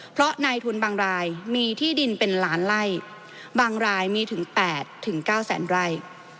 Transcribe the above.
เพราะนายทุนบางรายมีที่ดินเป็นหลานไร่บางรายมีถึง๘ถึง๙๐๐๐๐๐ไร่